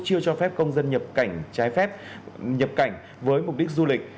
chưa cho phép công dân nhập cảnh trái phép với mục đích du lịch